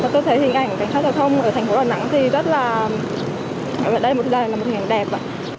tôi thấy hình ảnh cảnh sát giao thông ở thành phố đà nẵng thì rất là đẹp